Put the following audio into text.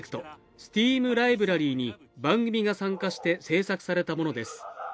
ＳＴＥＡＭライブラリーに番組が参加して制作されたものです